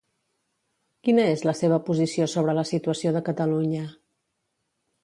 Quina és la seva posició sobre la situació de Catalunya?